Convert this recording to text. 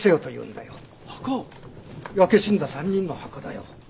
焼け死んだ３人の墓だよ。